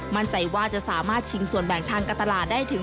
มั่นใจว่าจะสามารถชิงส่วนแบ่งทางการตลาดได้ถึง